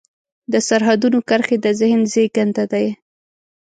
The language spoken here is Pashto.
د سرحدونو کرښې د ذهن زېږنده دي.